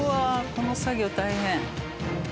この作業大変。